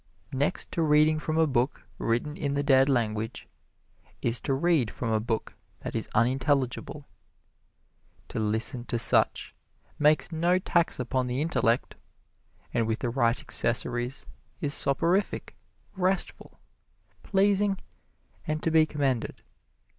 Next to reading from a book written in the dead language, is to read from a book that is unintelligible. To listen to such makes no tax upon the intellect, and with the right accessories is soporific, restful, pleasing and to be commended.